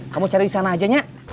kamu cari di sana aja nyak